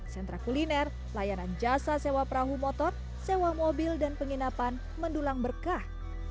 sentra kuliner layanan jasa sewa perahu motor sewa mobil dan penginapan mendulang berkah